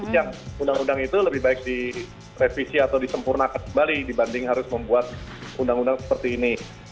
yang undang undang itu lebih baik direvisi atau disempurnakan kembali dibanding harus membuat undang undang seperti ini